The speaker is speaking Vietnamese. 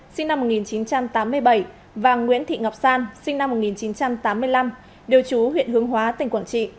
sinh năm một nghìn chín trăm tám mươi bảy và nguyễn thị ngọc san sinh năm một nghìn chín trăm tám mươi năm điều chú huyện hướng hóa tỉnh quảng trị